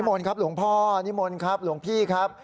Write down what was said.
มนต์ครับหลวงพ่อนิมนต์ครับหลวงพี่ครับ